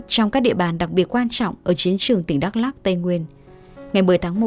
trong các địa bàn đặc biệt quan trọng ở chiến trường tỉnh đắk lắc tây nguyên ngày một mươi tháng một